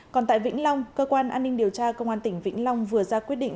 còn tại vĩnh long cơ quan an ninh điều tra công an tỉnh vĩnh long vừa ra quyết định